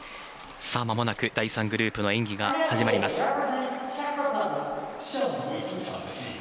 まもなく第３グループの演技が始まります。